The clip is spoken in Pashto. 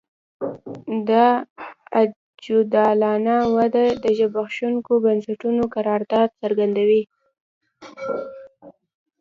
دا عجولانه وده د زبېښونکو بنسټونو کردار څرګندوي